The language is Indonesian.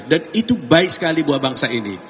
dan itu baik sekali buat bangsa ini